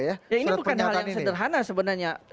ya ini bukan hal yang sederhana sebenarnya